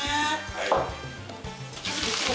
はい。